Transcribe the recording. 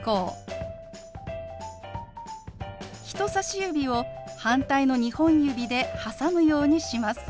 人さし指を反対の２本指で挟むようにします。